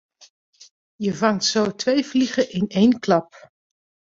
Je vangt zo twee vliegen in één klap.